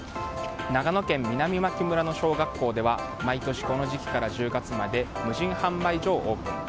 長野県南牧村の小学校では毎年この時期から１０月まで無人販売所をオープン。